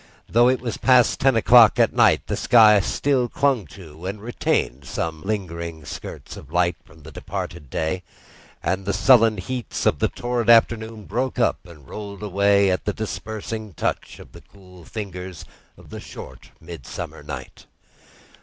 Though it was past ten o'clock at night, the sky still clung to and retained some lingering skirts of light from the departed day; and the sullen heats of the torrid afternoon broke up and rolled away at the dispersing touch of the cool fingers of the short midsummer night.